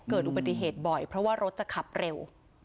เกิดอุบัติเหตุบ่อยเพราะว่ารถจะขับเร็ว